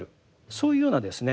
そういうようなですね